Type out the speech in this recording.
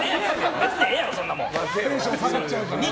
別にええやんそんなもん。